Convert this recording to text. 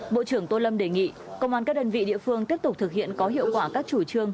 bộ trưởng tô lâm đề nghị công an các đơn vị địa phương tiếp tục thực hiện có hiệu quả các chủ trương